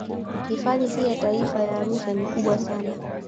Hifadhi hii ya Taifa ya Arusha ni kubwa sana